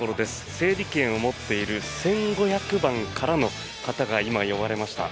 整理券を持っている１５００番からの方が今、呼ばれました。